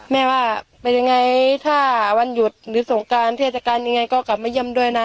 แม่ว่าเป็นยังไงถ้าวันหยุดหรือสงการเทศกาลยังไงก็กลับมาเยี่ยมด้วยนะ